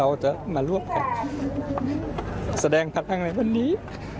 เราจะมาร่วมแสดงพักแพงในวันนี้